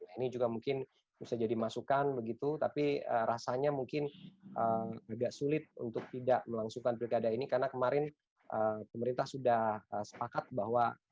nah ini juga mungkin bisa jadi masukan begitu tapi rasanya mungkin agak sulit untuk tidak melangsungkan pilkada ini karena kemarin pemerintah sudah sepakat bahwa